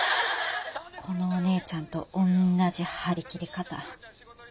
このお姉ちゃんと同じ張り切り方。